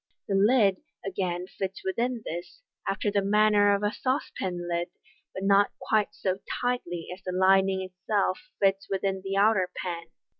The lid again fits within this after the manner of a saucepan lid, but not quite so tightly as the lining itself fits within the outer pan.